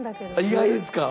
意外ですか？